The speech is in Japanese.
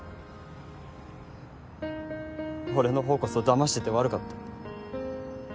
俺の方こそだましてて悪かった。